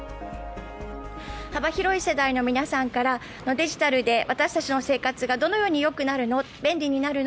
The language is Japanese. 幅広い世代の皆さんからデジタルで私たちの生活がどのようによくなるの？